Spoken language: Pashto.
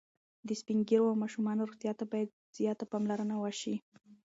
د سپین ږیرو او ماشومانو روغتیا ته باید زیاته پاملرنه وشي.